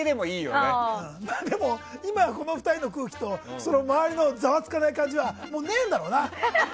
でも今、この２人の空気と周りのざわつかない感じはもう、ねえだろうな。